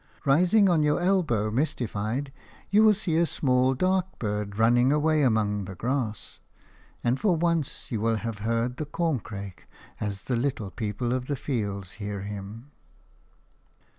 Rising on your elbow, mystified, you will see a small dark bird running away among the grass; and for once you will have heard the corncrake as the little people of the fields hear him.